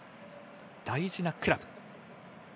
大事なクラブ。